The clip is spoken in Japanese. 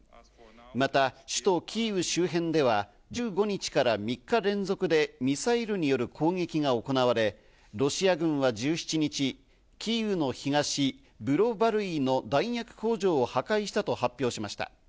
また首都キーウ周辺では１５日から３日連続でミサイルによる攻撃が行われ、ロシア軍は１７日、キーウの東、ブロバルイの弾薬工場を破壊したと発表しました。